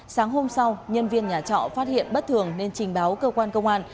sáng hôm sau nhân viên nhà trọ phát hiện bất thường nên trình báo cơ quan công an